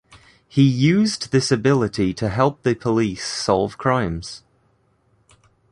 He used this ability to help the police solve crimes.